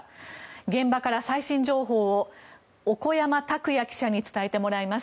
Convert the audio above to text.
現場から最新情報を小古山拓矢記者に伝えてもらいます。